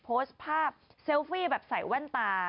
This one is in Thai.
โพสต์ภาพเซลฟี่แบบใส่แว่นตา